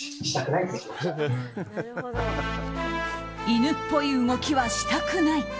犬っぽい動きはしたくない。